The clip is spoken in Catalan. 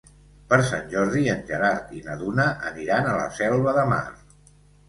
Per Sant Jordi en Gerard i na Duna aniran a la Selva de Mar.